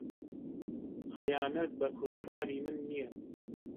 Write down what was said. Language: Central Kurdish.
خەیانەت بە کورد کاری من نییە.